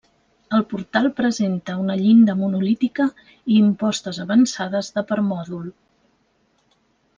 El portal presenta una llinda monolítica i impostes avançades de permòdol.